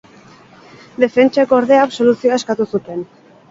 Defentsek, ordea, absoluzioa eskatu zuten.